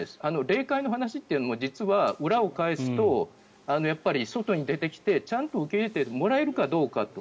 霊界の話というのも実は裏を返すとやっぱり外に出てきてちゃんと受け入れてもらえるかどうかと。